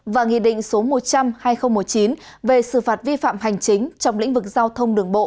và nghị định số một trăm linh hai nghìn một mươi chín về xử phạt vi phạm hành chính trong lĩnh vực giao thông đường bộ